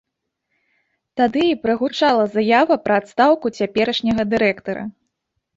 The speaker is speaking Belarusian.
Тады і прагучала заява пра адстаўку цяперашняга дырэктара.